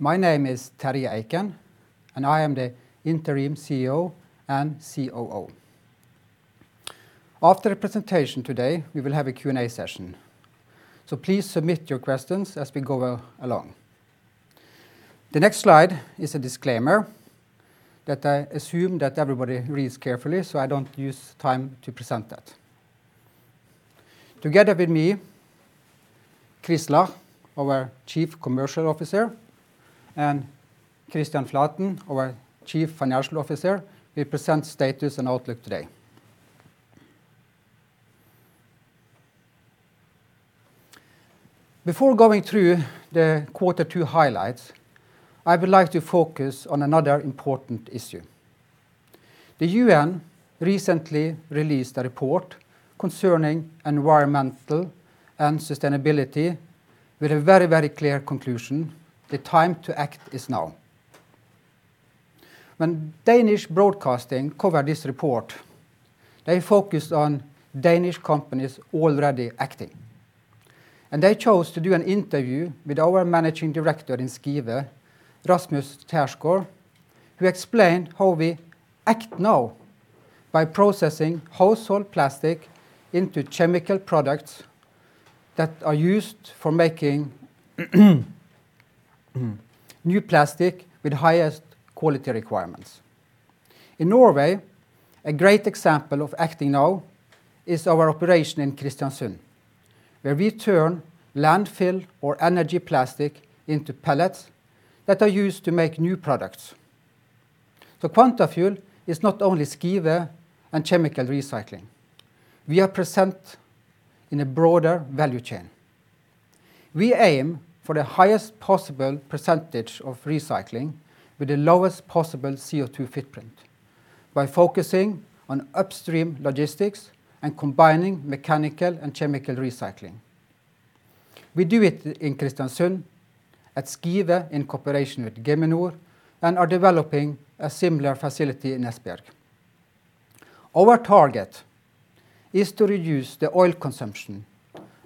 My name is Terje Eiken, and I am the Interim CEO and COO. After the presentation today, we will have a Q&A session, so please submit your questions as we go along. The next slide is a disclaimer that I assume that everybody reads carefully, so I don't use time to present that. Together with me, Chris Lach, our Chief Commercial Officer, and Kristian Flaten, our Chief Financial Officer, we present status and outlook today. Before going through the Q2 highlights, I would like to focus on another important issue. The UN recently released a report concerning environmental and sustainability with a very clear conclusion: the time to act is now. When Danish broadcasting covered this report, they focused on Danish companies already acting, and they chose to do an interview with our Managing Director in Skive, Rasmus Tersgov, who explained how we act now by processing household plastic into chemical products that are used for making new plastic with highest quality requirements. In Norway, a great example of acting now is our operation in Kristiansund, where we turn landfill or energy plastic into pellets that are used to make new products. Quantafuel is not only Skive and chemical recycling. We are present in a broader value chain. We aim for the highest possible percentage of recycling with the lowest possible CO2 footprint by focusing on upstream logistics and combining mechanical and chemical recycling. We do it in Kristiansund, at Skive in cooperation with Geminor, and are developing a similar facility in Esbjerg. Our target is to reduce the oil consumption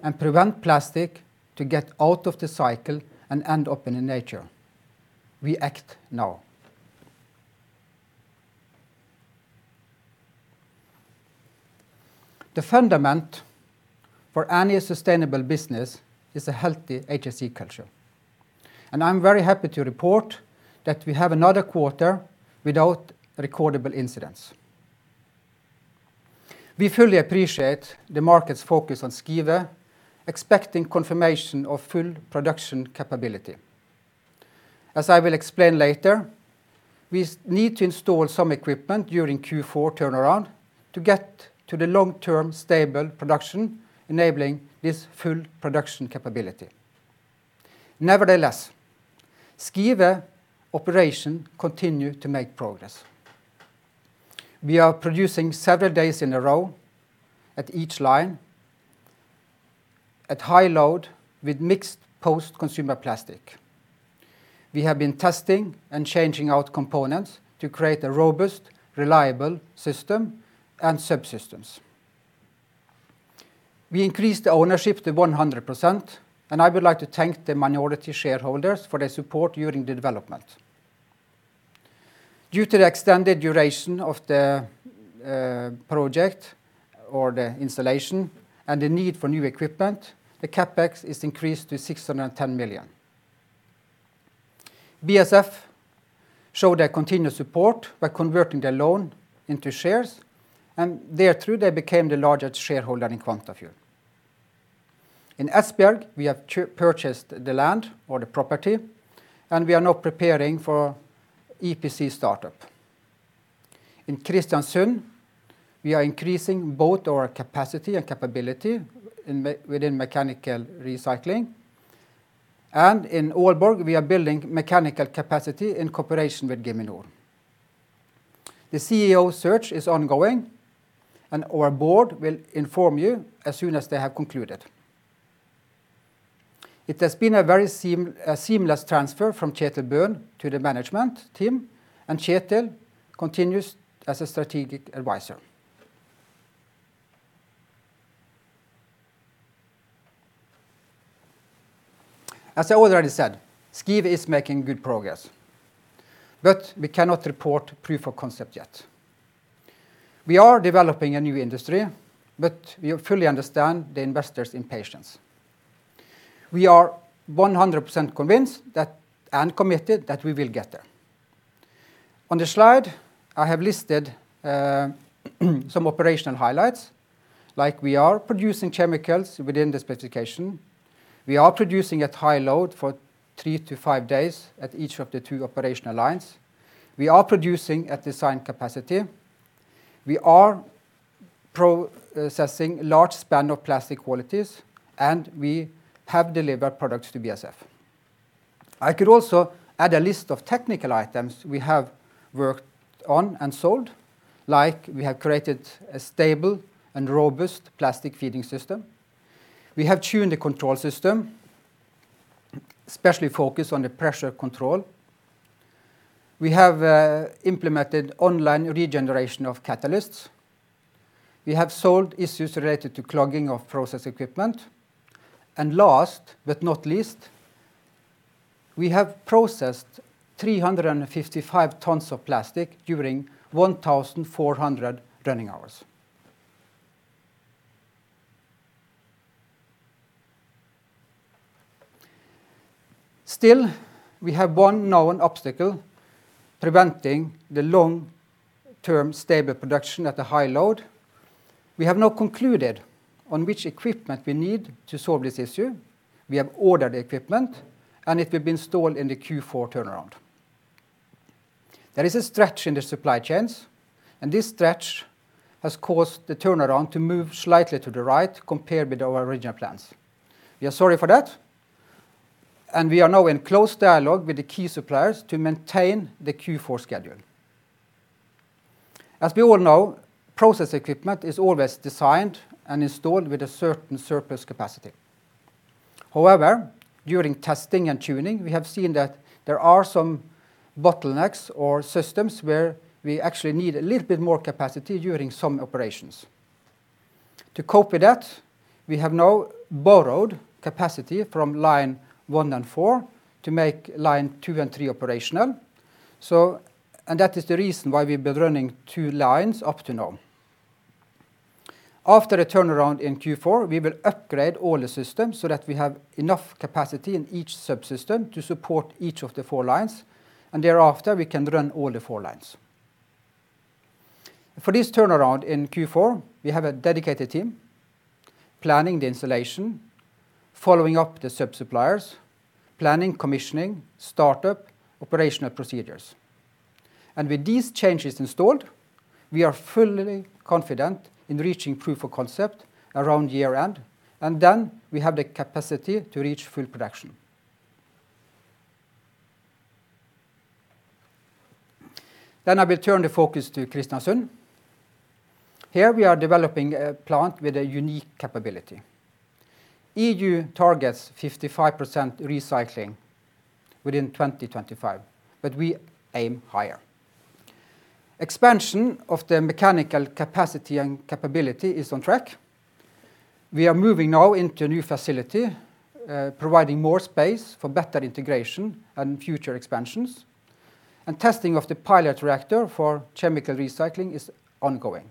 and prevent plastic to get out of the cycle and end up in nature. We act now. The fundament for any sustainable business is a healthy HSE culture, and I am very happy to report that we have another quarter without recordable incidents. We fully appreciate the market’s focus on Skive, expecting confirmation of full production capability. As I will explain later, we need to install some equipment during Q4 turnaround to get to the long-term stable production enabling this full production capability. Nevertheless, Skive operation continue to make progress. We are producing several days in a row at each line, at high load with mixed post-consumer plastic. We have been testing and changing out components to create a robust, reliable system and subsystems. We increased the ownership to 100%. I would like to thank the minority shareholders for their support during the development. Due to the extended duration of the project or the installation and the need for new equipment, the CapEx is increased to 610 million. BASF showed their continuous support by converting their loan into shares, and thereby they became the largest shareholder in Quantafuel. In Esbjerg, we have purchased the land or the property, and we are now preparing for EPC startup. In Kristiansund, we are increasing both our capacity and capability within mechanical recycling, and in Aalborg, we are building mechanical capacity in cooperation with Geminor. The CEO search is ongoing, and our board will inform you as soon as they have concluded. It has been a very seamless transfer from Kjetil Bøhn to the management team, and Kjetil continues as a strategic advisor. As I already said, Skive is making good progress, but we cannot report proof of concept yet. We are developing a new industry, but we fully understand the investors' impatience. We are 100% convinced and committed that we will get there. On the slide, I have listed some operational highlights. Like we are producing chemicals within the specification. We are producing at high load for three to five days at each of the two operational lines. We are producing at design capacity. We are processing large span of plastic qualities, and we have delivered products to BASF. I could also add a list of technical items we have worked on and solved, like we have created a stable and robust plastic feeding system. We have tuned the control system, especially focused on the pressure control. We have implemented online regeneration of catalysts. We have solved issues related to clogging of process equipment. Last but not least, we have processed 355 tons of plastic during 1,400 running hours. Still, we have one known obstacle preventing the long-term stable production at a high load. We have now concluded on which equipment we need to solve this issue. We have ordered the equipment, it will be installed in the Q4 turnaround. There is a stretch in the supply chains, this stretch has caused the turnaround to move slightly to the right compared with our original plans. We are sorry for that, we are now in close dialogue with the key suppliers to maintain the Q4 schedule. As we all know, process equipment is always designed and installed with a certain surplus capacity. However, during testing and tuning, we have seen that there are some bottlenecks or systems where we actually need a little bit more capacity during some operations. To cope with that, we have now borrowed capacity from line one and four to make line two and three operational. That is the reason why we've been running two lines up to now. After a turnaround in Q4, we will upgrade all the systems so that we have enough capacity in each subsystem to support each of the four lines, and thereafter, we can run all the four lines. For this turnaround in Q4, we have a dedicated team planning the installation, following up the sub-suppliers, planning commissioning, startup, operational procedures. With these changes installed, we are fully confident in reaching proof of concept around year-end, and then we have the capacity to reach full production. I will turn the focus to Kristiansund. Here we are developing a plant with a unique capability. EU targets 55% recycling within 2025, we aim higher. Expansion of the mechanical capacity and capability is on track. We are moving now into a new facility, providing more space for better integration and future expansions, and testing of the pilot reactor for chemical recycling is ongoing.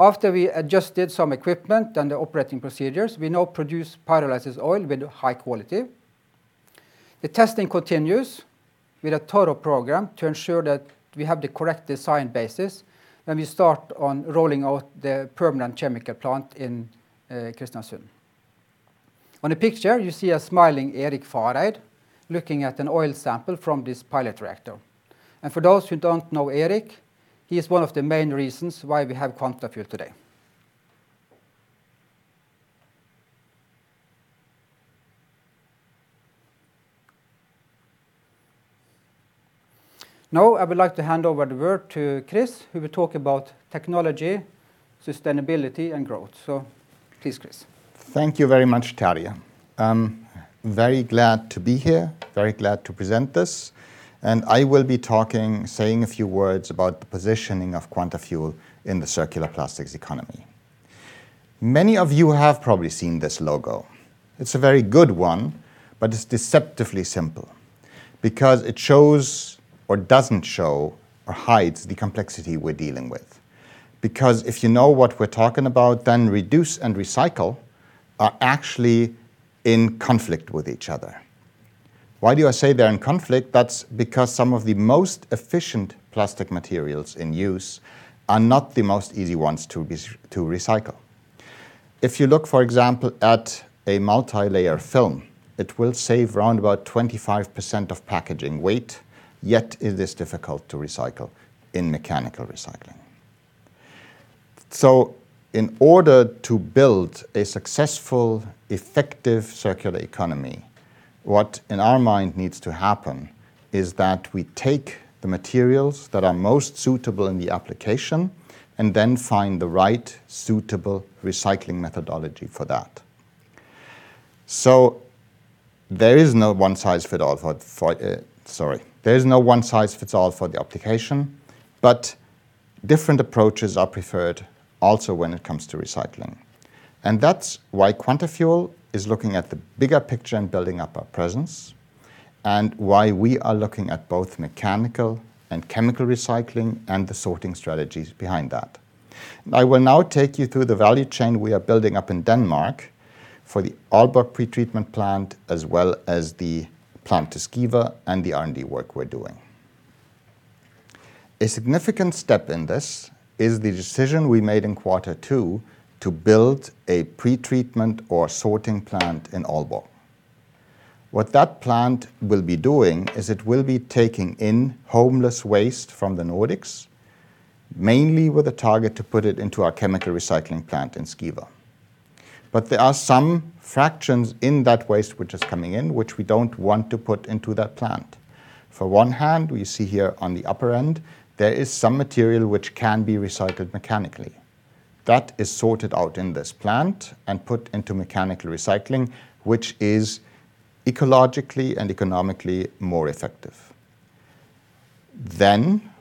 After we adjusted some equipment and the operating procedures, we now produce pyrolysis oil with high quality. The testing continues with a total program to ensure that we have the correct design basis when we start on rolling out the permanent chemical plant in Kristiansund. On the picture, you see a smiling Erik Fareid looking at an oil sample from this pilot reactor. For those who don't know Erik, he is one of the main reasons why we have Quantafuel today. Now, I would like to hand over the word to Chris, who will talk about technology, sustainability, and growth. Please, Chris. Thank you very much, Terje. I'm very glad to be here, very glad to present this. I will be saying a few words about the positioning of Quantafuel in the circular plastics economy. Many of you have probably seen this logo. It's a very good one, but it's deceptively simple because it shows or doesn't show or hides the complexity we're dealing with. If you know what we're talking about, then reduce and recycle are actually in conflict with each other. Why do I say they're in conflict? That's because some of the most efficient plastic materials in use are not the most easy ones to recycle. If you look, for example, at a multilayer film, it will save roundabout 25% of packaging weight, yet it is difficult to recycle in mechanical recycling. In order to build a successful, effective circular economy, what in our mind needs to happen is that we take the materials that are most suitable in the application and then find the right suitable recycling methodology for that. There is no one size fits all for the application, but different approaches are preferred also when it comes to recycling. That's why Quantafuel is looking at the bigger picture and building up our presence, and why we are looking at both mechanical and chemical recycling and the sorting strategies behind that. I will now take you through the value chain we are building up in Denmark for the Aalborg pre-treatment plant, as well as the plant in Skive and the R&D work we're doing. A significant step in this is the decision we made in quarter two to build a pre-treatment or sorting plant in Aalborg. What that plant will be doing is it will be taking in household waste from the Nordics, mainly with a target to put it into our chemical recycling plant in Skive. There are some fractions in that waste which is coming in, which we don't want to put into that plant. For one hand, we see here on the upper end, there is some material which can be recycled mechanically. That is sorted out in this plant and put into mechanical recycling, which is ecologically and economically more effective.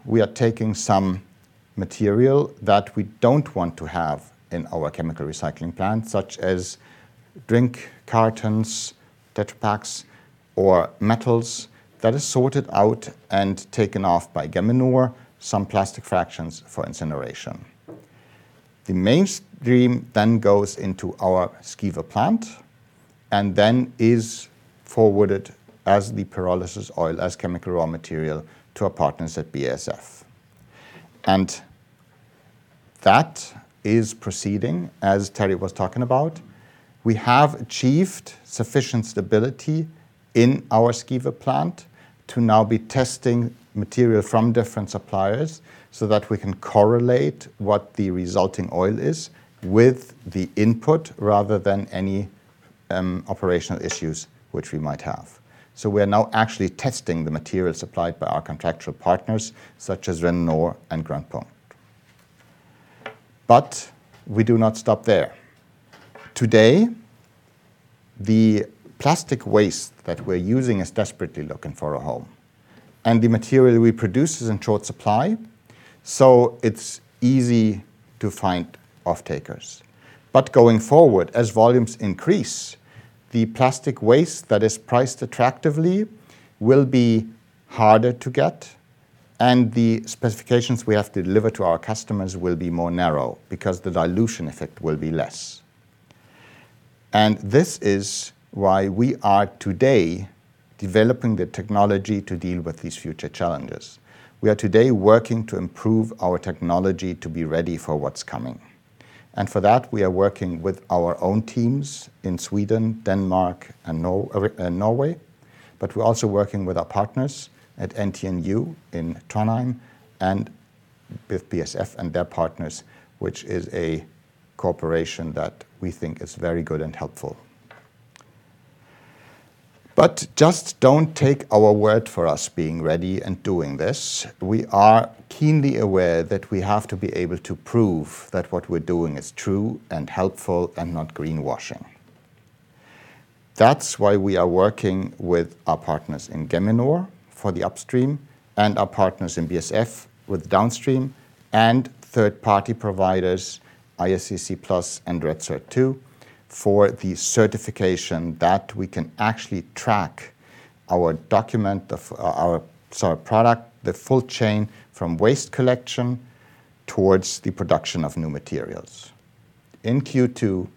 We are taking some material that we don't want to have in our chemical recycling plant, such as drink cartons, Tetra Paks, or metals. That is sorted out and taken off by Geminor, some plastic fractions for incineration. The mainstream then goes into our Skive plant and then is forwarded as the pyrolysis oil, as chemical raw material to our partners at BASF. That is proceeding, as Terje was talking about. We have achieved sufficient stability in our Skive plant to now be testing material from different suppliers so that we can correlate what the resulting oil is with the input rather than any operational issues which we might have. We are now actually testing the material supplied by our contractual partners such as Geminor and Grønt Punkt Norge. We do not stop there. Today, the plastic waste that we're using is desperately looking for a home, and the material we produce is in short supply, so it's easy to find off-takers. Going forward, as volumes increase, the plastic waste that is priced attractively will be harder to get, and the specifications we have to deliver to our customers will be more narrow because the dilution effect will be less. This is why we are today developing the technology to deal with these future challenges. We are today working to improve our technology to be ready for what's coming, and for that, we are working with our own teams in Sweden, Denmark, and Norway, but we're also working with our partners at NTNU in Trondheim and with BASF and their partners, which is a cooperation that we think is very good and helpful. Just don't take our word for us being ready and doing this. We are keenly aware that we have to be able to prove that what we're doing is true and helpful and not greenwashing. That's why we are working with our partners in Geminor for the upstream and our partners in BASF with downstream and third-party providers, ISCC Plus and REDcert2, for the certification that we can actually track our document of our product, the full chain from waste collection towards the production of new materials. In Q2,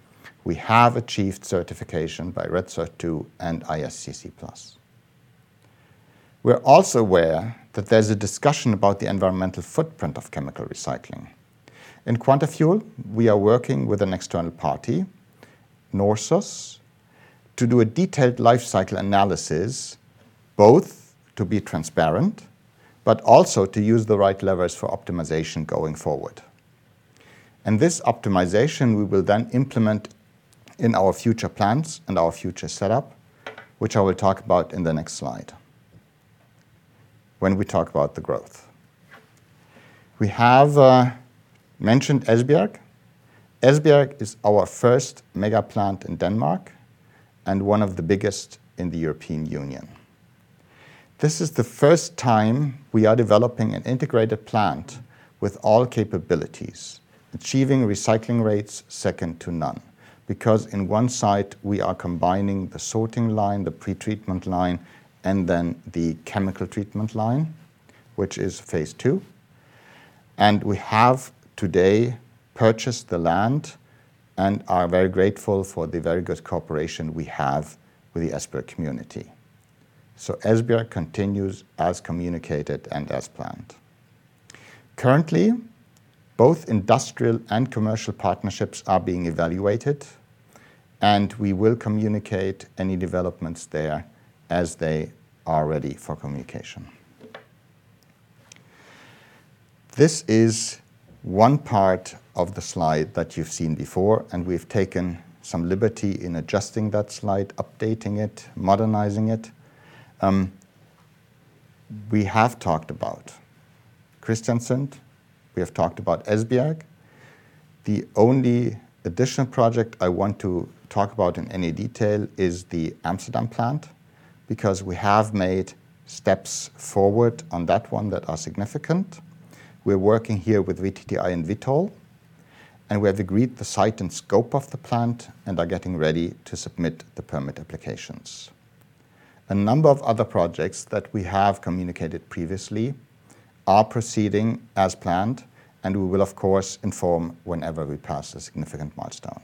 we have achieved certification by REDcert2 and ISCC Plus. We're also aware that there's a discussion about the environmental footprint of chemical recycling. In Quantafuel, we are working with an external party, NORSUS, to do a detailed life cycle analysis, both to be transparent but also to use the right levers for optimization going forward. This optimization, we will then implement in our future plans and our future setup, which I will talk about in the next slide when we talk about the growth. We have mentioned Esbjerg. Esbjerg is our first mega plant in Denmark and one of the biggest in the European Union. This is the first time we are developing an integrated plant with all capabilities, achieving recycling rates second to none. In one site, we are combining the sorting line, the pretreatment line, and then the chemical treatment line, which is phase II. We have today purchased the land and are very grateful for the very good cooperation we have with the Esbjerg community. Esbjerg continues as communicated and as planned. Currently, both industrial and commercial partnerships are being evaluated, and we will communicate any developments there as they are ready for communication. This is one part of the slide that you've seen before, and we've taken some liberty in adjusting that slide, updating it, modernizing it. We have talked about Kristiansund. We have talked about Esbjerg. The only additional project I want to talk about in any detail is the Amsterdam plant because we have made steps forward on that one that are significant. We're working here with VTTI and Vitol, and we have agreed the site and scope of the plant and are getting ready to submit the permit applications. A number of other projects that we have communicated previously are proceeding as planned, and we will of course inform whenever we pass a significant milestone.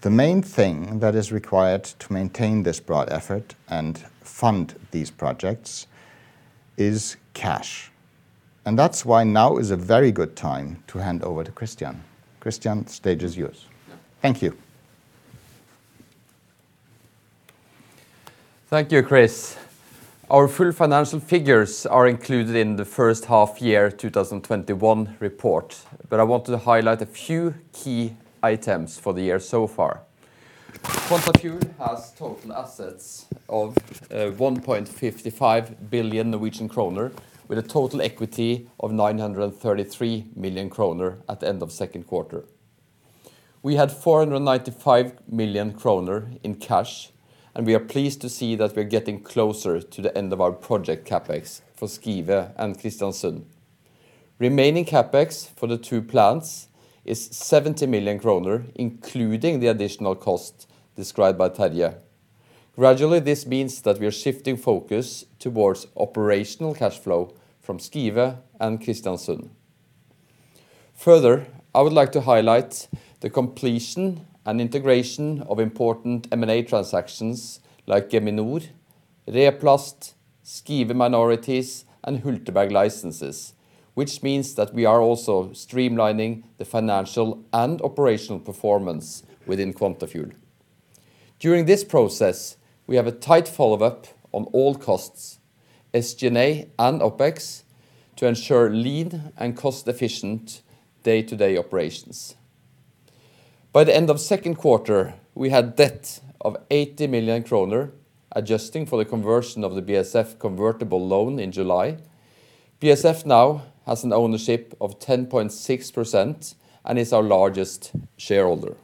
The main thing that is required to maintain this broad effort and fund these projects is cash, and that's why now is a very good time to hand over to Kristian. Kristian, stage is yours. Thank you. Thank you, Chris. Our full financial figures are included in the first half year 2021 report. I want to highlight a few key items for the year so far. Quantafuel has total assets of 1.55 billion Norwegian kroner, with a total equity of 933 million kroner at the end of Q2. We had 495 million kroner in cash. We are pleased to see that we are getting closer to the end of our project CapEx for Skive and Kristiansund. Remaining CapEx for the two plants is 70 million kroner, including the additional cost described by Terje. Gradually, this means that we are shifting focus towards operational cash flow from Skive and Kristiansund. I would like to highlight the completion and integration of important M&A transactions like Geminor, Replast, Skive minorities, and Hulteberg licenses, which means that we are also streamlining the financial and operational performance within Quantafuel. During this process, we have a tight follow-up on all costs, SG&A and OpEx, to ensure lean and cost-efficient day-to-day operations. By the end of Q2, we had debt of 80 million kroner, adjusting for the conversion of the BASF convertible loan in July. BASF now has an ownership of 10.6% and is our largest shareholder.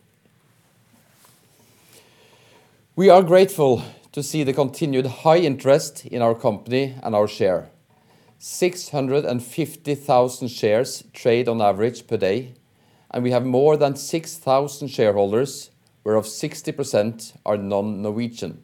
We are grateful to see the continued high interest in our company and our share. 650,000 shares trade on average per day, and we have more than 6,000 shareholders, whereof 60% are non-Norwegian.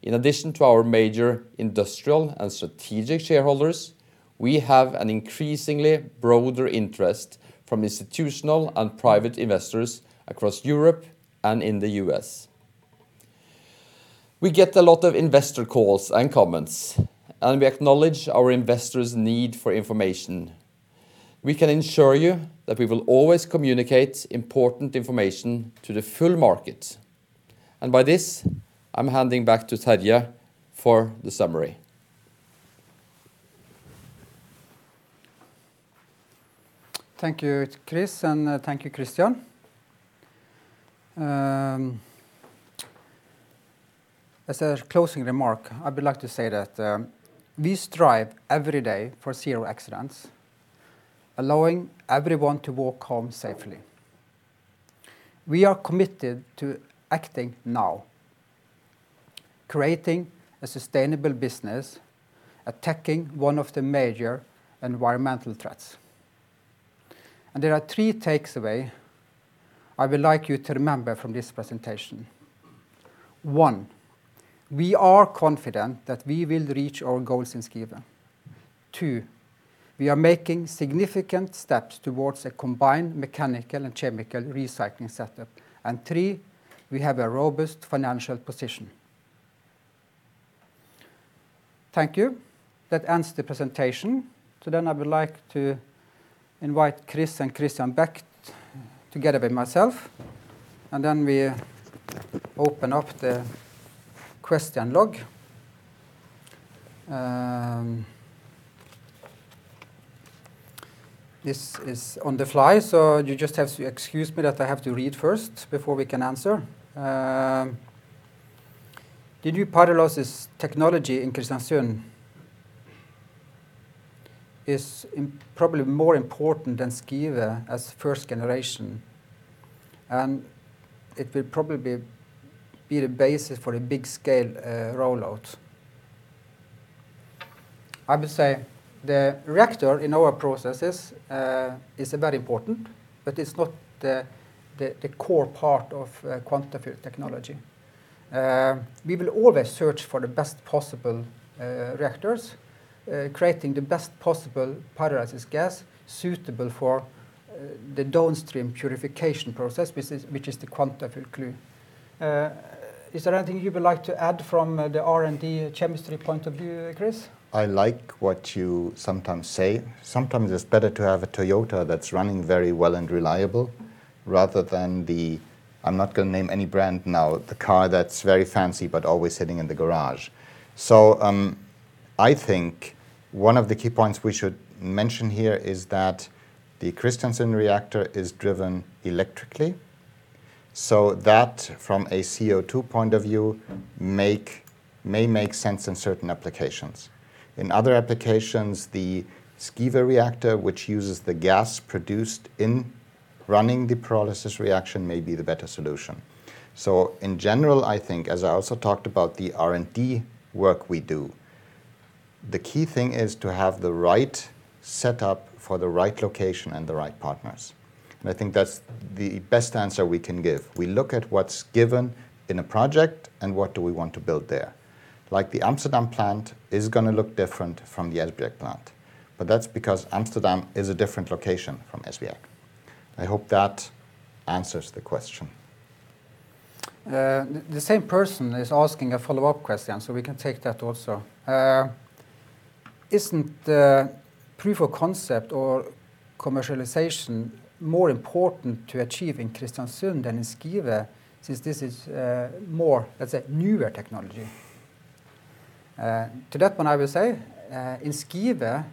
In addition to our major industrial and strategic shareholders, we have an increasingly broader interest from institutional and private investors across Europe and in the U.S. We get a lot of investor calls and comments, and we acknowledge our investors' need for information. We can ensure you that we will always communicate important information to the full market. By this, I'm handing back to Terje for the summary. Thank you, Chris, and thank you, Kristian. As a closing remark, I would like to say that we strive every day for zero accidents, allowing everyone to walk home safely. We are committed to acting now, creating a sustainable business, attacking one of the major environmental threats. There are three takeaways I would like you to remember from this presentation. One, we are confident that we will reach our goals in Skive. Two, we are making significant steps towards a combined mechanical and chemical recycling setup. Three, we have a robust financial position. Thank you. That ends the presentation. I would like to invite Chris and Kristian back together with myself, we open up the question log. This is on the fly, you just have to excuse me that I have to read first before we can answer. The new pyrolysis technology in Kristiansund is probably more important than Skive as first generation. It will probably be the basis for a big scale rollout. I would say the reactor in our processes is very important. It's not the core part of Quantafuel technology. We will always search for the best possible reactors, creating the best possible pyrolysis gas suitable for the downstream purification process, which is the Quantafuel clue. Is there anything you would like to add from the R&D chemistry point of view, Chris? I like what you sometimes say. Sometimes it's better to have a Toyota that's running very well and reliable rather than the, I'm not going to name any brand now, the car that's very fancy, but always sitting in the garage. I think one of the key points we should mention here is that the Kristiansund reactor is driven electrically, so that from a CO2 point of view may make sense in certain applications. In other applications, the Skive reactor, which uses the gas produced in running the pyrolysis reaction, may be the better solution. In general, I think, as I also talked about the R&D work we do, the key thing is to have the right setup for the right location and the right partners. I think that's the best answer we can give. We look at what's given in a project and what do we want to build there. Like the Amsterdam plant is going to look different from the Esbjerg plant, but that's because Amsterdam is a different location from Esbjerg. I hope that answers the question. The same person is asking a follow-up question, so we can take that also. Isn't the proof of concept or commercialization more important to achieve in Kristiansund than in Skive, since this is more, let's say, newer technology? To that one, I will say, in Skive,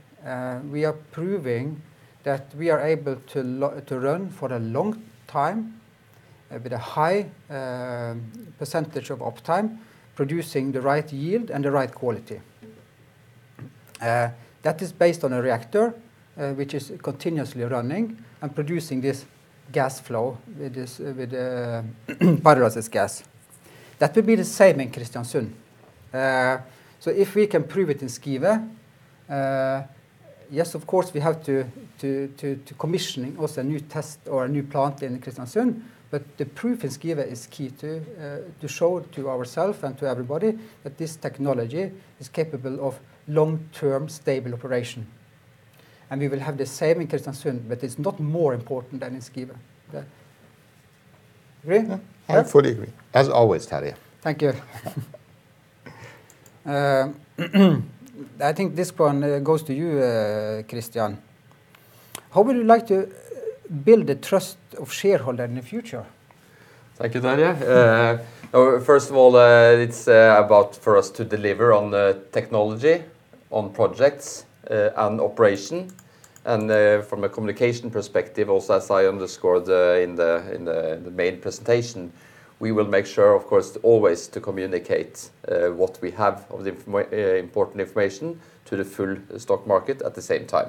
we are proving that we are able to run for a long time with a high percentage of uptime, producing the right yield and the right quality. That is based on a reactor, which is continuously running and producing this gas flow with the pyrolysis gas. That will be the same in Kristiansund. If we can prove it in Skive, yes, of course, we have to commissioning also a new test or a new plant in Kristiansund. The proof in Skive is key to show to ourselves and to everybody that this technology is capable of long-term stable operation. We will have the same in Kristiansund, it's not more important than in Skive. Agree? I fully agree. As always, Terje. Thank you. I think this one goes to you, Kristian. How would you like to build the trust of shareholder in the future? Thank you, Terje. First of all, it's about for us to deliver on the technology, on projects, and operation, and from a communication perspective also, as I underscored in the main presentation, we will make sure, of course, always to communicate what we have of the important information to the full stock market at the same time.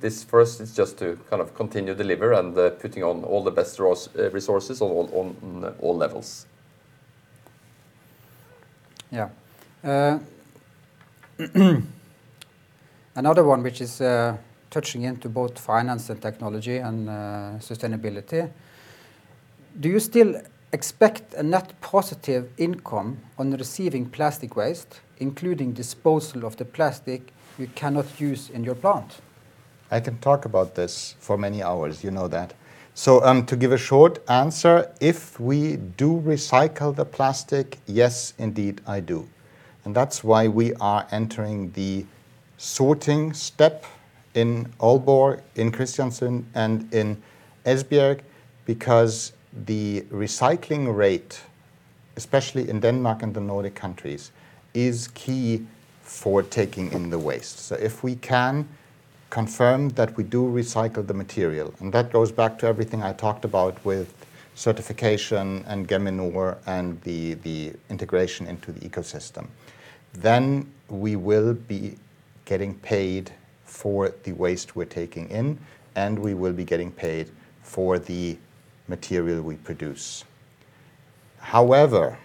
This first is just to kind of continue deliver and putting on all the best resources on all levels. Yeah. Another one, which is touching into both finance and technology and sustainability. Do you still expect a net positive income on receiving plastic waste, including disposal of the plastic you cannot use in your plant? I can talk about this for many hours, you know that. To give a short answer, if we do recycle the plastic, yes, indeed I do. That's why we are entering the sorting step in Aalborg, in Kristiansund, and in Esbjerg, because the recycling rate, especially in Denmark and the Nordic countries, is key for taking in the waste. If we can confirm that we do recycle the material, and that goes back to everything I talked about with certification and Geminor and the integration into the ecosystem, then we will be getting paid for the waste we're taking in, and we will be getting paid for the material we produce. However,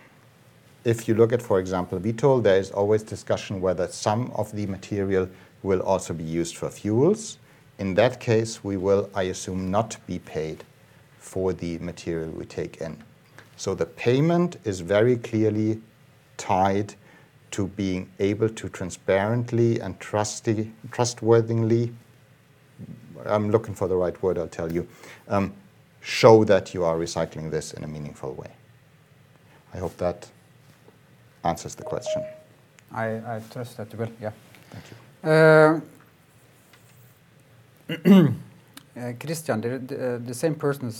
if you look at, for example, Veolia, there is always discussion whether some of the material will also be used for fuels. In that case, we will, I assume, not be paid for the material we take in. The payment is very clearly tied to being able to transparently and trustworthily, I'm looking for the right word, I'll tell you, show that you are recycling this in a meaningful way. I hope that answers the question. I trust that it will, yeah. Thank you. Kristian, the same person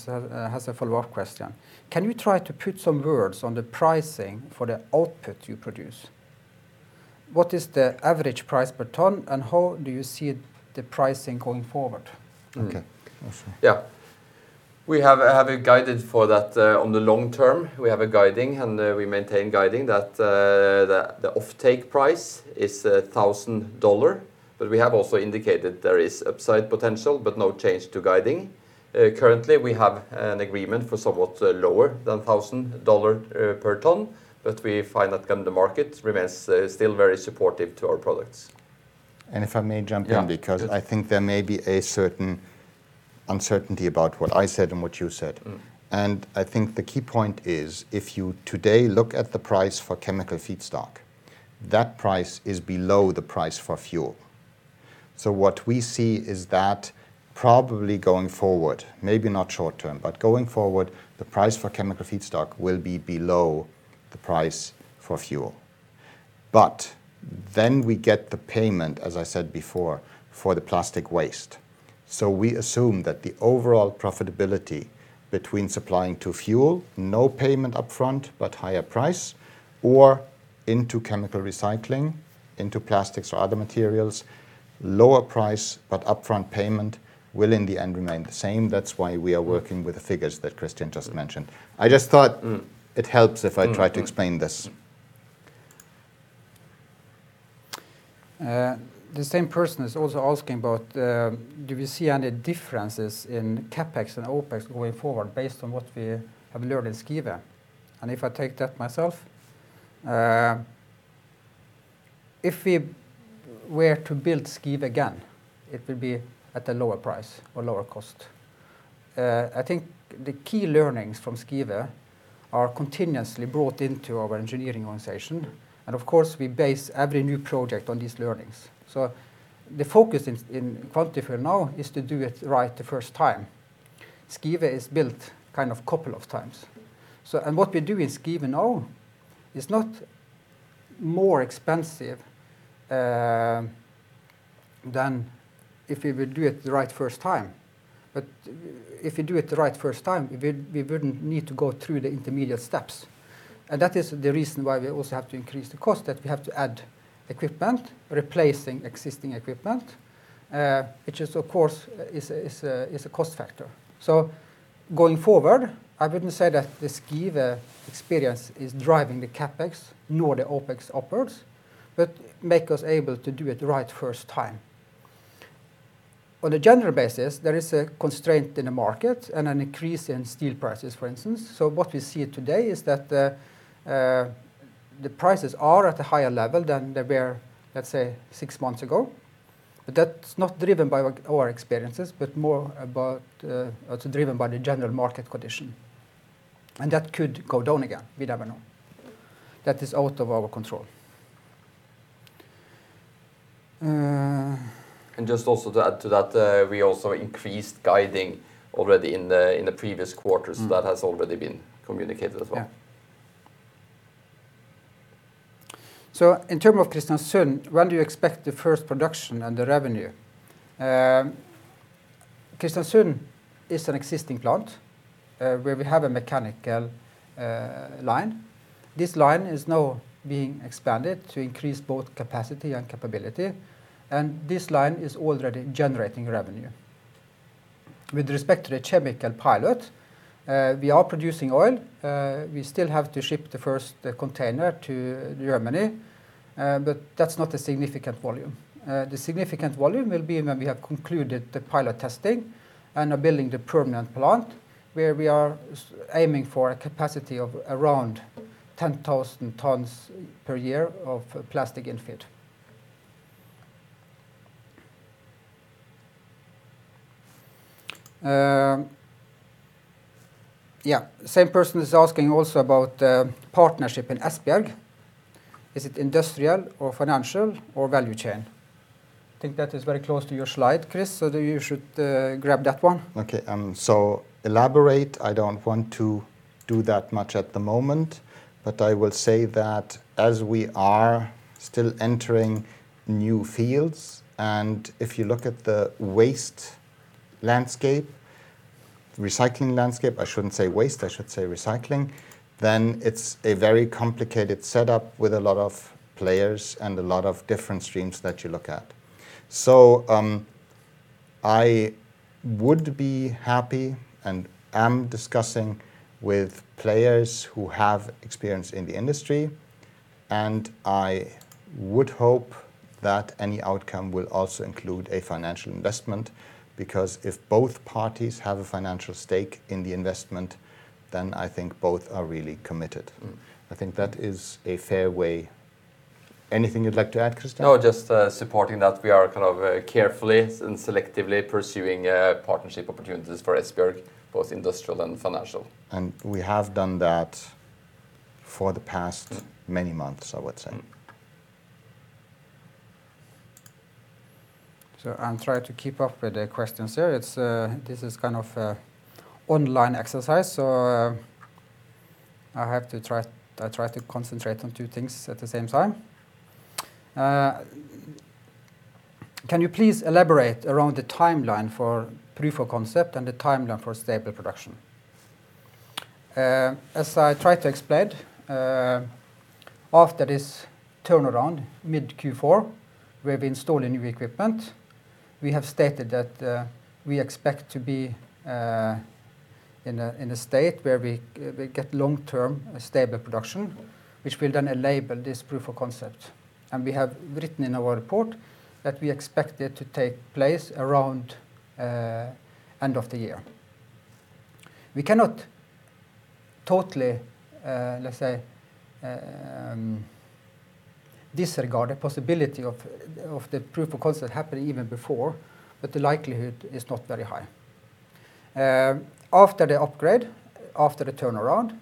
has a follow-up question. Can you try to put some words on the pricing for the output you produce? What is the average price per ton, and how do you see the pricing going forward? Okay. Also. Yeah. We have a guided for that, on the long term, we have a guiding, and we maintain guiding that the offtake price is $1,000, but we have also indicated there is upside potential, but no change to guiding. Currently, we have an agreement for somewhat lower than $1,000 per ton, but we find that kind of the market remains still very supportive to our products. If I may jump in. Yeah I think there may be a certain uncertainty about what I said and what you said. I think the key point is, if you today look at the price for chemical feedstock, that price is below the price for fuel. What we see is that probably going forward, maybe not short term, but going forward, the price for chemical feedstock will be below the price for fuel. We get the payment, as I said before, for the plastic waste. We assume that the overall profitability between supplying to fuel, no payment upfront, but higher price, or into chemical recycling, into plastics or other materials, lower price, but upfront payment, will in the end remain the same. That's why we are working with the figures that Kristian just mentioned. I just thought it helps if I try to explain this. The same person is also asking about, do we see any differences in CapEx and OpEx going forward based on what we have learned in Skive? If I take that myself, if we were to build Skive again, it would be at a lower price or lower cost. I think the key learnings from Skive are continuously brought into our engineering organization, and of course, we base every new project on these learnings. The focus in Quantafuel now is to do it right the first time. Skive is built kind of couple of times. What we do in Skive now is not more expensive than if we will do it the right first time. If we do it the right first time, we wouldn't need to go through the intermediate steps. That is the reason why we also have to increase the cost, that we have to add equipment, replacing existing equipment, which of course, is a cost factor. Going forward, I wouldn't say that this Skive experience is driving the CapEx nor the OpEx upwards, but make us able to do it right first time. On a general basis, there is a constraint in the market and an increase in steel prices, for instance. What we see today is that the prices are at a higher level than they were, let's say, six months ago. That's not driven by our experiences, but more driven by the general market condition. That could go down again. We never know. That is out of our control. Just also to add to that, we also increased guiding already in the previous quarters. That has already been communicated as well. Yeah. In terms of Kristiansund, when do you expect the first production and the revenue? Kristiansund is an existing plant, where we have a mechanical line. This line is now being expanded to increase both capacity and capability, and this line is already generating revenue. With respect to the chemical pilot, we are producing oil. We still have to ship the first container to Germany, but that's not a significant volume. The significant volume will be when we have concluded the pilot testing and are building the permanent plant, where we are aiming for a capacity of around 10,000 tons per year of plastic input. Yeah, same person is asking also about partnership in Esbjerg. Is it industrial or financial or value chain? I think that is very close to your slide, Chris, so you should grab that one. Okay, elaborate, I don't want to do that much at the moment, I will say that as we are still entering new fields, if you look at the waste landscape, recycling landscape, I shouldn't say waste, I should say recycling, it's a very complicated setup with a lot of players and a lot of different streams that you look at. I would be happy and am discussing with players who have experience in the industry, I would hope that any outcome will also include a financial investment, because if both parties have a financial stake in the investment, I think both are really committed. I think that is a fair way. Anything you'd like to add, Kristian? No, just supporting that we are kind of carefully and selectively pursuing partnership opportunities for Esbjerg, both industrial and financial. We have done that for the past many months, I would say. I'll try to keep up with the questions here. This is kind of a online exercise, so I try to concentrate on two things at the same time. Can you please elaborate around the timeline for proof of concept and the timeline for stable production? As I tried to explain, after this turnaround, mid Q4, we have installed new equipment. We have stated that we expect to be in a state where we get long-term stable production, which will then enable this proof of concept. We have written in our report that we expect it to take place around end of the year. We cannot totally, let's say, disregard the possibility of the proof of concept happening even before, but the likelihood is not very high. After the upgrade, after the turnaround,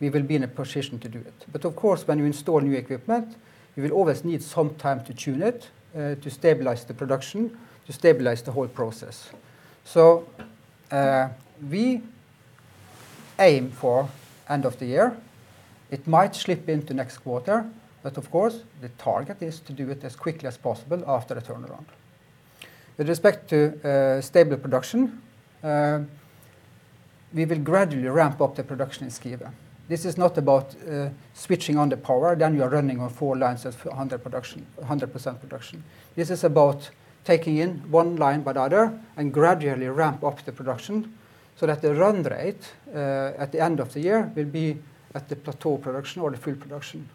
we will be in a position to do it. Of course, when you install new equipment, you will always need some time to tune it, to stabilize the production, to stabilize the whole process. We aim for end of the year. It might slip into next quarter, but of course, the target is to do it as quickly as possible after the turnaround. With respect to stable production, we will gradually ramp up the production in Skive. This is not about switching on the power, then you are running on four lines of 100% production. This is about taking in one line by the other and gradually ramp up the production so that the run rate at the end of the year will be at the plateau production or the full production.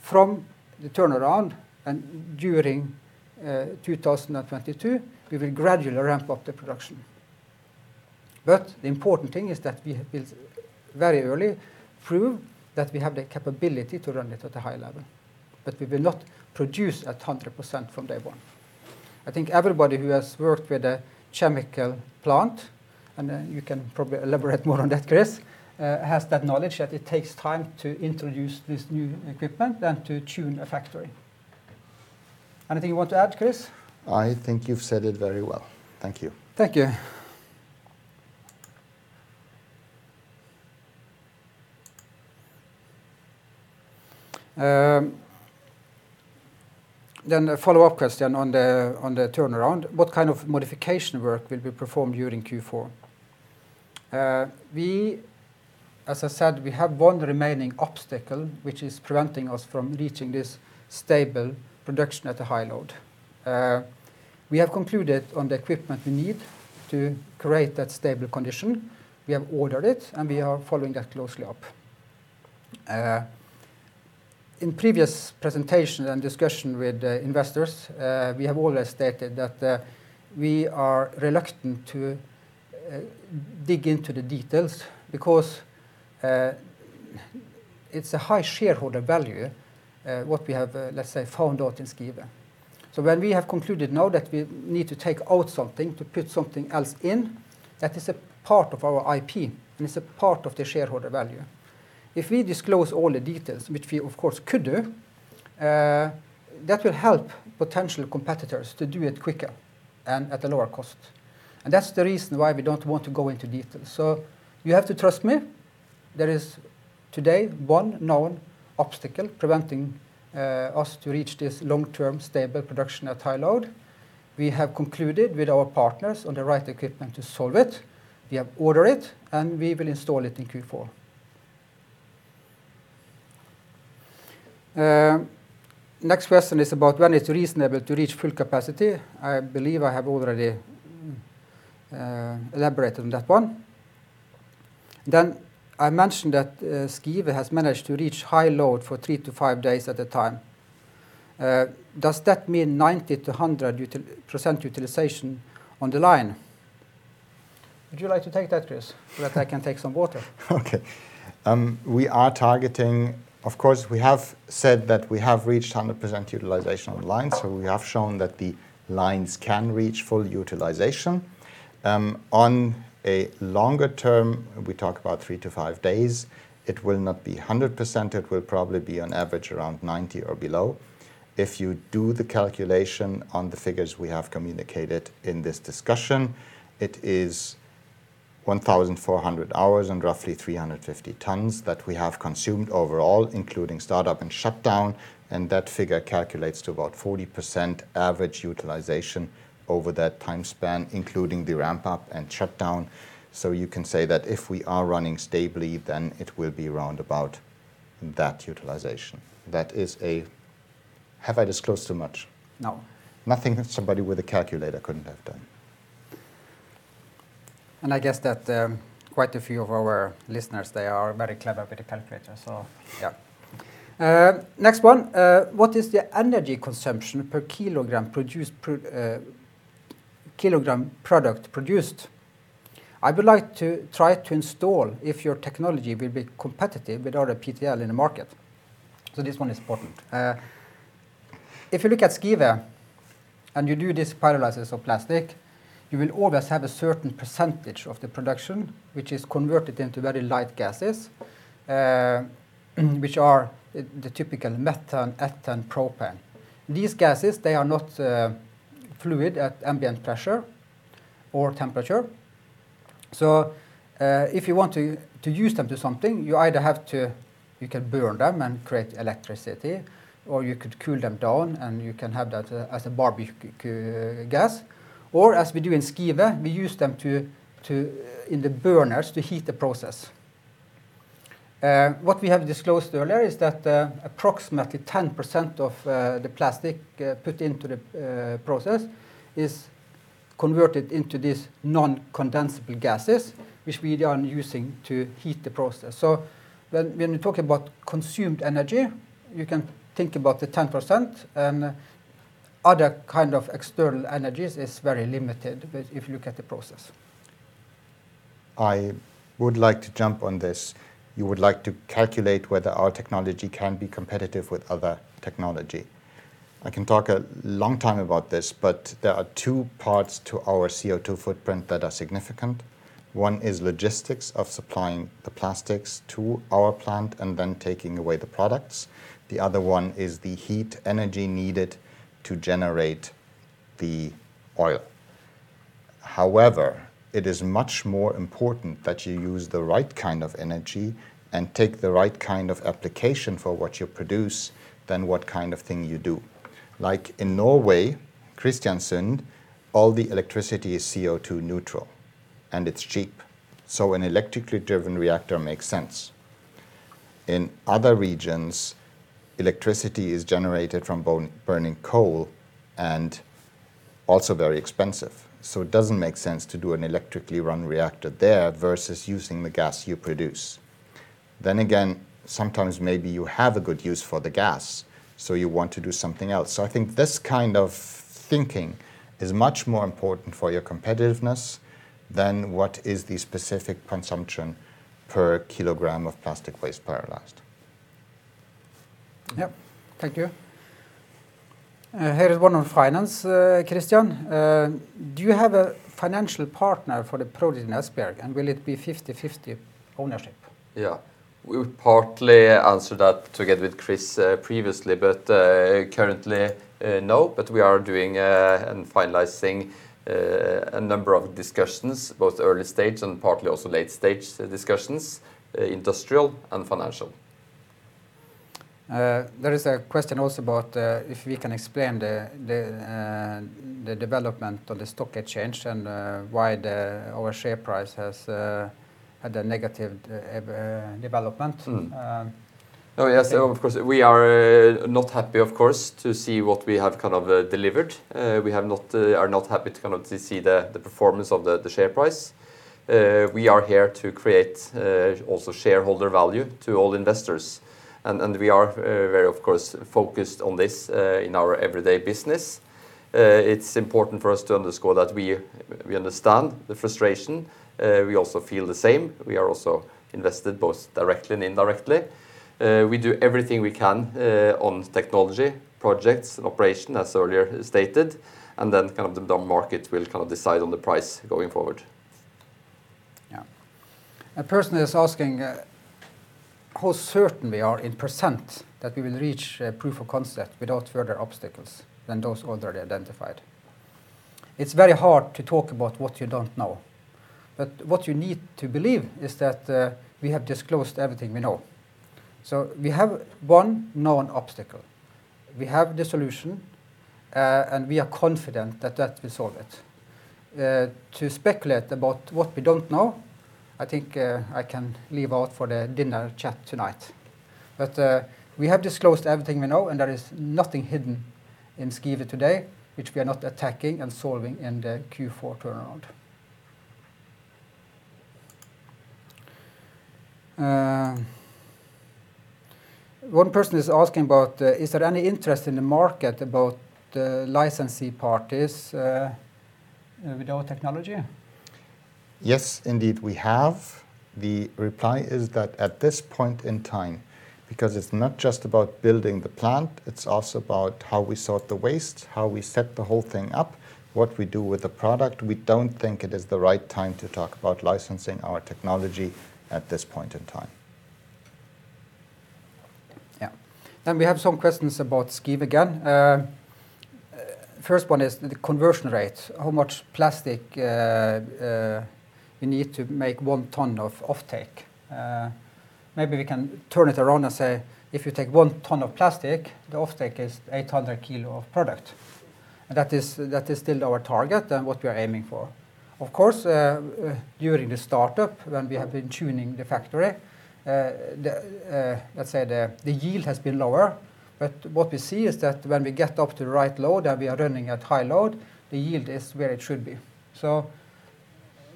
From the turnaround and during 2022, we will gradually ramp up the production. The important thing is that we will very early prove that we have the capability to run it at a high level, but we will not produce at 100% from day one. I think everybody who has worked with a chemical plant, and you can probably elaborate more on that, Chris, has that knowledge that it takes time to introduce this new equipment than to tune a factory. Anything you want to add, Chris? I think you've said it very well. Thank you. Thank you. The follow-up question on the turnaround, what kind of modification work will be performed during Q4? As I said, we have one remaining obstacle, which is preventing us from reaching this stable production at a high load. We have concluded on the equipment we need to create that stable condition. We have ordered it, and we are following that closely up. In previous presentation and discussion with investors, we have always stated that we are reluctant to dig into the details because it's a high shareholder value, what we have, let's say, found out in Skive. When we have concluded now that we need to take out something to put something else in, that is a part of our IP, and it's a part of the shareholder value. If we disclose all the details, which we of course could do, that will help potential competitors to do it quicker and at a lower cost. That's the reason why we don't want to go into details. You have to trust me. There is today one known obstacle preventing us to reach this long-term stable production at high load. We have concluded with our partners on the right equipment to solve it. We have ordered it, and we will install it in Q4. Next question is about when it's reasonable to reach full capacity. I believe I have already elaborated on that one. I mentioned that Skive has managed to reach high load for three to five days at a time. Does that mean 90%-100% utilization on the line? Would you like to take that, Chris? That I can take some water. Okay. Of course, we have said that we have reached 100% utilization on the line. We have shown that the lines can reach full utilization. On a longer term, we talk about three to five days, it will not be 100%, it will probably be on average around 90% or below. If you do the calculation on the figures we have communicated in this discussion. It is 1,400 hours and roughly 350 tons that we have consumed overall, including startup and shutdown, and that figure calculates to about 40% average utilization over that time span, including the ramp-up and shutdown. You can say that if we are running stably, then it will be around about that utilization. Have I disclosed too much? No. Nothing that somebody with a calculator couldn't have done. I guess that quite a few of our listeners, they are very clever with the calculator, so yeah. Next one, what is the energy consumption per kilogram product produced? I would like to try to install if your technology will be competitive with other PtL in the market. This one is important. If you look at Skive and you do this pyrolysis of plastic, you will always have a certain percentage of the production, which is converted into very light gases, which are the typical methane, ethane, propane. These gases, they are not fluid at ambient pressure or temperature. If you want to use them to something, you either have to burn them and create electricity, or you could cool them down and you can have that as a barbecue gas, or as we do in Skive, we use them in the burners to heat the process. What we have disclosed earlier is that approximately 10% of the plastic put into the process is converted into these non-condensable gases, which we are then using to heat the process. When you talk about consumed energy, you can think about the 10%, and other kind of external energies is very limited if you look at the process. I would like to jump on this. You would like to calculate whether our technology can be competitive with other technology. I can talk a long time about this, but there are two parts to our CO2 footprint that are significant. One is logistics of supplying the plastics to our plant and then taking away the products. The other one is the heat energy needed to generate the oil. It is much more important that you use the right kind of energy and take the right kind of application for what you produce than what kind of thing you do. Like in Norway, Kristiansund, all the electricity is CO2 neutral, and it's cheap, so an electrically driven reactor makes sense. In other regions, electricity is generated from burning coal and also very expensive, so it doesn't make sense to do an electrically run reactor there versus using the gas you produce. Sometimes maybe you have a good use for the gas, so you want to do something else. I think this kind of thinking is much more important for your competitiveness than what is the specific consumption per kilogram of plastic waste pyrolyzed. Yep. Thank you. Here is one on finance, Kristian. Do you have a financial partner for the project in Esbjerg, and will it be 50/50 ownership? We partly answered that together with Chris previously, but currently, no, but we are doing and finalizing a number of discussions, both early stage and partly also late-stage discussions, industrial and financial. There is a question also about if we can explain the development of the stock exchange and why our share price has had a negative development. Of course, we are not happy to see what we have delivered. We are not happy to see the performance of the share price. We are here to create shareholder value to all investors, and we are very focused on this in our everyday business. It is important for us to underscore that we understand the frustration. We also feel the same. We are also invested, both directly and indirectly. We do everything we can on technology, projects, and operation, as earlier stated, and then the market will decide on the price going forward. A person is asking how certain we are in percent that we will reach a proof of concept without further obstacles than those already identified. It is very hard to talk about what you do not know, what you need to believe is that we have disclosed everything we know. We have one known obstacle. We have the solution, and we are confident that that will solve it. To speculate about what we do not know, I think I can leave out for the dinner chat tonight. We have disclosed everything we know, and there is nothing hidden in Skive today, which we are not attacking and solving in the Q4 turnaround. One person is asking about is there any interest in the market about the licensee parties with our technology? Yes, indeed, we have. The reply is that at this point in time, because it is not just about building the plant, it is also about how we sort the waste, how we set the whole thing up, what we do with the product. We don't think it is the right time to talk about licensing our technology at this point in time. Yeah. We have some questions about Skive again. First one is the conversion rate, how much plastic we need to make 1 ton of offtake. Maybe we can turn it around and say, if you take 1 ton of plastic, the offtake is 800 kg of product. That is still our target and what we are aiming for. Of course, during the startup, when we have been tuning the factory, let's say the yield has been lower, but what we see is that when we get up to the right load and we are running at high load, the yield is where it should be.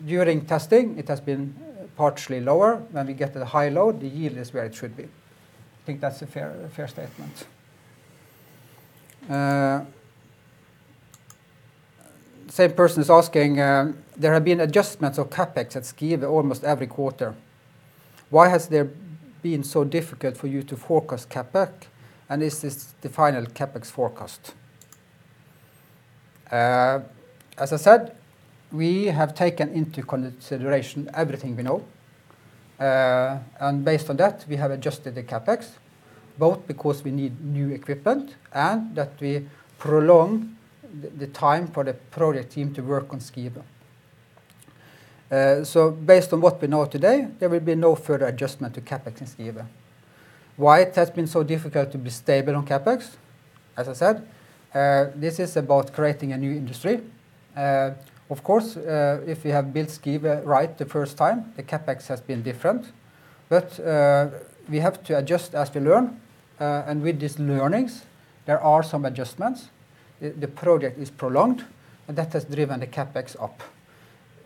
During testing, it has been partially lower. When we get to the high load, the yield is where it should be. I think that's a fair statement. Same person is asking, there have been adjustments of CapEx at Skive almost every quarter. Why has there been so difficult for you to forecast CapEx, and is this the final CapEx forecast? As I said, we have taken into consideration everything we know, and based on that, we have adjusted the CapEx, both because we need new equipment and that we prolong the time for the project team to work on Skive. Based on what we know today, there will be no further adjustment to CapEx in Skive. Why it has been so difficult to be stable on CapEx? As I said, this is about creating a new industry. Of course, if you have built Skive right the first time, the CapEx has been different. We have to adjust as we learn, and with these learnings, there are some adjustments. The project is prolonged, and that has driven the CapEx up.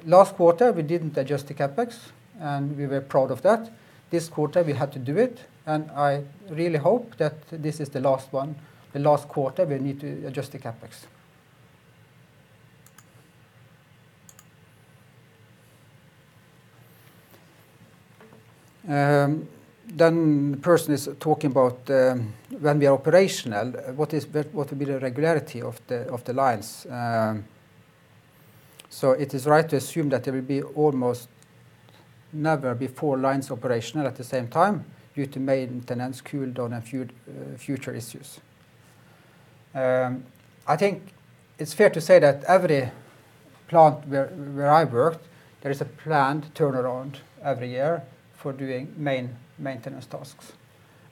Last quarter, we didn't adjust the CapEx, and we were proud of that. This quarter, we had to do it, and I really hope that this is the last one, the last quarter we need to adjust the CapEx. The person is talking about when we are operational, what will be the regularity of the lines. It is right to assume that there will be almost never be four lines operational at the same time due to maintenance coupled with a few future issues. I think it's fair to say that every plant where I've worked, there is a planned turnaround every year for doing main maintenance tasks.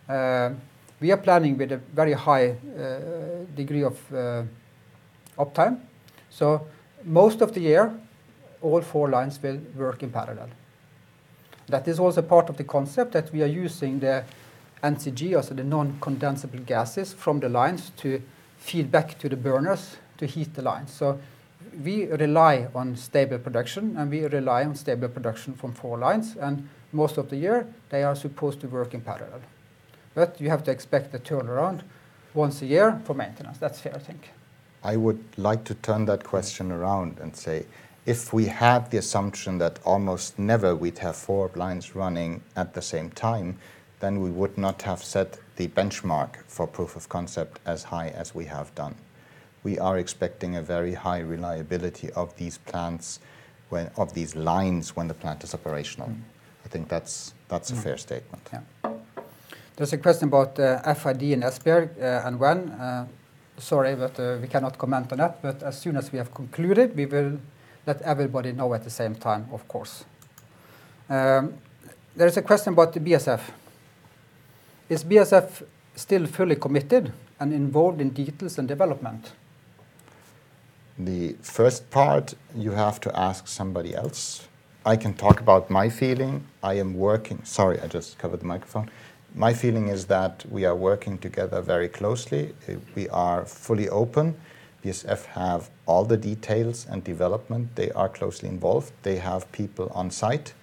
We are planning with a very high degree of uptime. Most of the year, all four lines will work in parallel. That is also part of the concept that we are using the NCG, also the non-condensable gases from the lines to feed back to the burners to heat the line. We rely on stable production, and we rely on stable production from four lines, and most of the year, they are supposed to work in parallel. You have to expect the turnaround once a year for maintenance. That's fair, I think. I would like to turn that question around and say, if we had the assumption that almost never we'd have four lines running at the same time, then we would not have set the benchmark for proof of concept as high as we have done. We are expecting a very high reliability of these lines when the plant is operational. I think that's a fair statement. Yeah. There's a question about FID in Esbjerg and when. Sorry, we cannot comment on that. As soon as we have concluded, we will let everybody know at the same time, of course. There is a question about the BASF. Is BASF still fully committed and involved in details and development? The first part, you have to ask somebody else. I can talk about my feeling. I am working-sorry, I just covered the microphone. My feeling is that we are working together very closely. We are fully open. BASF have all the details and development. They are closely involved. They have people on site,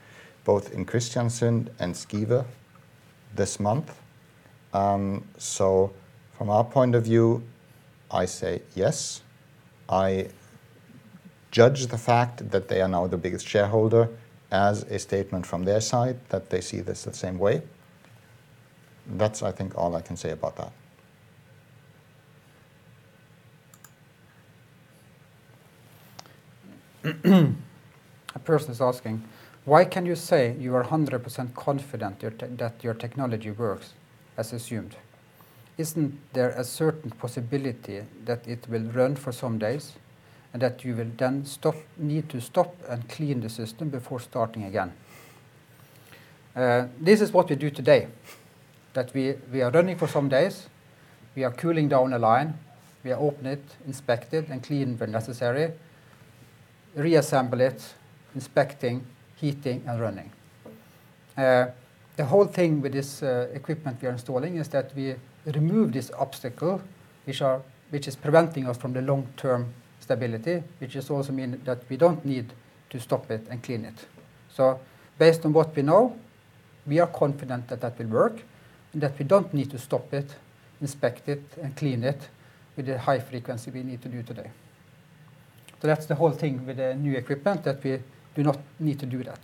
both in Kristiansund and Skive this month. From our point of view, I say yes. I judge the fact that they are now the biggest shareholder as a statement from their side that they see this the same way. That's, I think, all I can say about that. A person is asking, why can you say you are 100% confident that your technology works as assumed? Isn't there a certain possibility that it will run for some days, and that you will then need to stop and clean the system before starting again? This is what we do today. We are running for some days, we are cooling down a line, we open it, inspect it, and clean when necessary, reassemble it, inspecting, heating, and running. The whole thing with this equipment we are installing is that we remove this obstacle, which is preventing us from the long-term stability, which also means that we don't need to stop it and clean it. Based on what we know, we are confident that that will work, and that we don't need to stop it, inspect it, and clean it with the high frequency we need to do today. That's the whole thing with the new equipment, that we do not need to do that.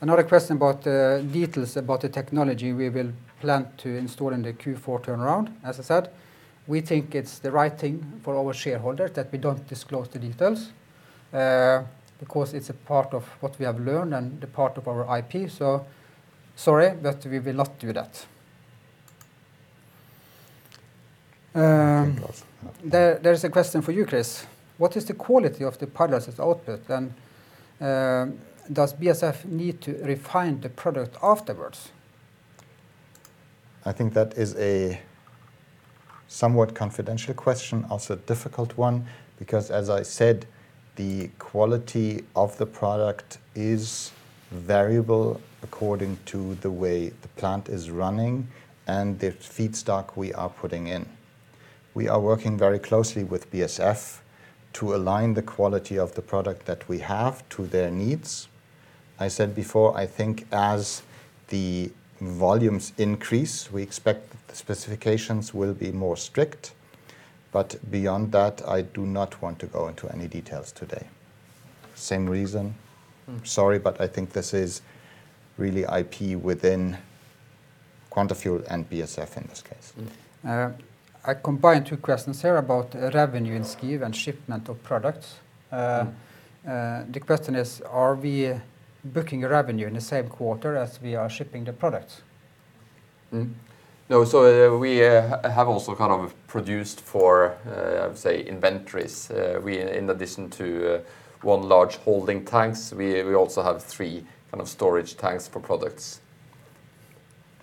Another question about the details about the technology we will plan to install in the Q4 turnaround. As I said, we think it's the right thing for our shareholders that we don't disclose the details, because it's a part of what we have learned and the part of our IP. Sorry, but we will not do that. There is a question for you, Chris. What is the quality of the product as output, and does BASF need to refine the product afterwards? I think that is a somewhat confidential question, also a difficult one, because as I said, the quality of the product is variable according to the way the plant is running and the feedstock we are putting in. We are working very closely with BASF to align the quality of the product that we have to their needs. I said before, I think as the volumes increase, we expect the specifications will be more strict. Beyond that, I do not want to go into any details today. Same reason. Sorry, I think this is really IP within Quantafuel and BASF in this case. I combine two questions here about revenue in Skive and shipment of products. The question is, are we booking revenue in the same quarter as we are shipping the products? No. We have also produced for, I would say, inventories. In addition to one large holding tanks, we also have three storage tanks for products.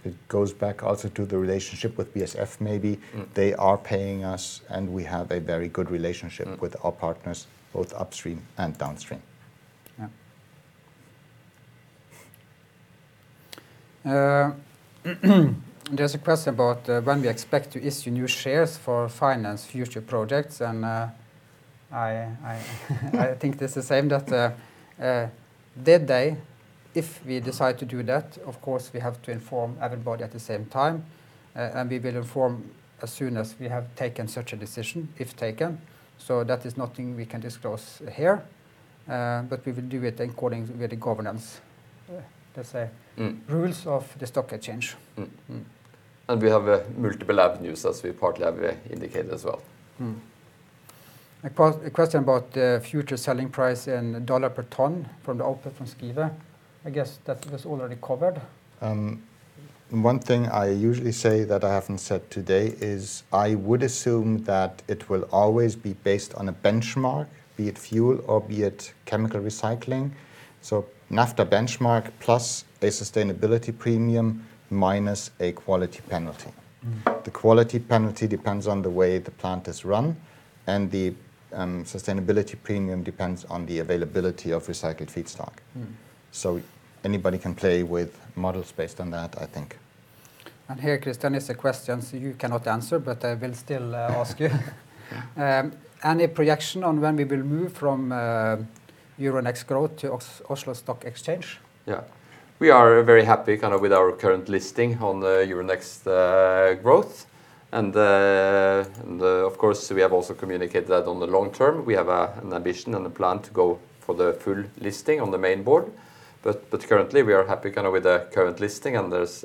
It goes back also to the relationship with BASF, maybe. They are paying us, and we have a very good relationship with our partners, both upstream and downstream. Yeah. There's a question about when we expect to issue new shares for finance future projects. I think this the same, that the day, if we decide to do that, of course, we have to inform everybody at the same time. We will inform as soon as we have taken such a decision, if taken. That is nothing we can disclose here. We will do it according with the governance, let's say rules of the stock exchange. We have multiple avenues as we partly have indicated as well. A question about the future selling price in dollar per ton from the output from Skive. I guess that was already covered. One thing I usually say that I haven't said today is I would assume that it will always be based on a benchmark, be it fuel or be it chemical recycling. Naphtha benchmark plus a sustainability premium, minus a quality penalty. The quality penalty depends on the way the plant is run, and the sustainability premium depends on the availability of recycled feedstock. Anybody can play with models based on that, I think. Here, Kristian, is a question you cannot answer, but I will still ask you. Yeah. Any projection on when we will move from Euronext Growth to Oslo Stock Exchange? Yeah. We are very happy with our current listing on the Euronext Growth. Of course, we have also communicated that on the long term, we have an ambition and a plan to go for the full listing on the main board. Currently, we are happy with the current listing, and there's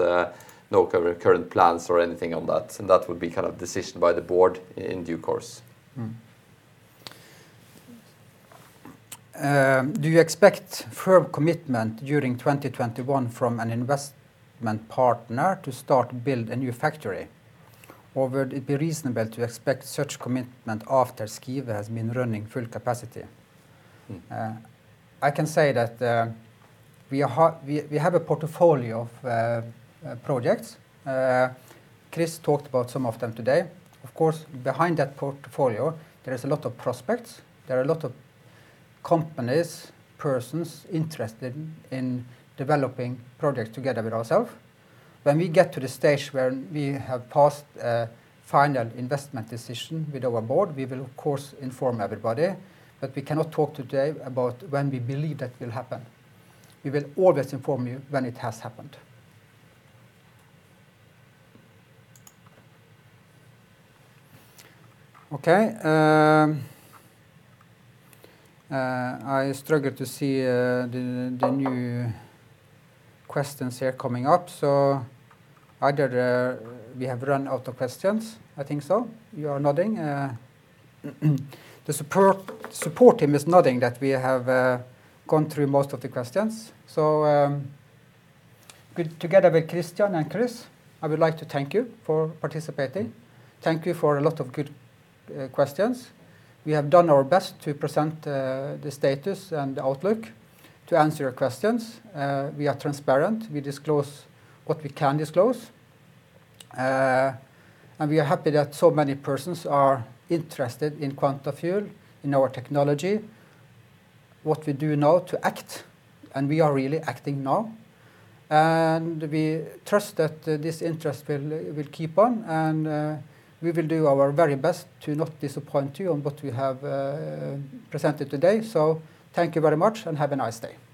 no current plans or anything on that, and that would be decision by the board in due course. Do you expect firm commitment during 2021 from an investment partner to start build a new factory? Or would it be reasonable to expect such commitment after Skive has been running full capacity? I can say that we have a portfolio of projects. Chris talked about some of them today. Of course, behind that portfolio, there is a lot of prospects. There are a lot of companies, persons interested in developing projects together with ourselves. When we get to the stage where we have passed a final investment decision with our board, we will, of course, inform everybody. We cannot talk today about when we believe that will happen. We will always inform you when it has happened. Okay. I struggle to see the new questions here coming up. Either we have run out of questions, I think so. You are nodding. The support team is nodding that we have gone through most of the questions. Together with Kristian and Chris, I would like to thank you for participating. Thank you for a lot of good questions. We have done our best to present the status and the outlook to answer your questions. We are transparent. We disclose what we can disclose. We are happy that so many persons are interested in Quantafuel, in our technology, what we do now to act, and we are really acting now. We trust that this interest will keep on, and we will do our very best to not disappoint you on what we have presented today. Thank you very much and have a nice day. Thank you. Thank you.